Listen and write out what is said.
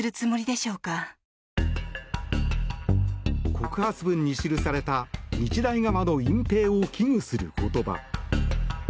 告発文に記された日大側の隠ぺいを危惧する言葉。